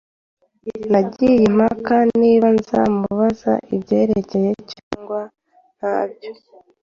Nagiye impaka niba nzamubaza ibyerekeye cyangwa ntabyo.